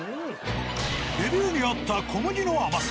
レビューにあった「小麦の甘さ」